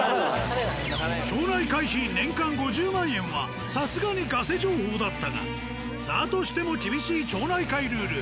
町内会費年間５０万円はさすがにガセ情報だったがだとしても厳しい町内会ルール。